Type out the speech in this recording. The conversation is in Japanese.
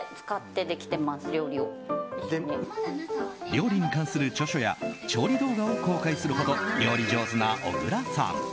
料理に関する著書や調理動画を公開するほど料理上手な小倉さん。